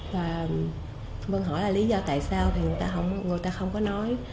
và vân hỏi là lý do tại sao thì người ta không có nói